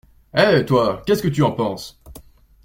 Eh, toi, qu’est-ce que tu en penses?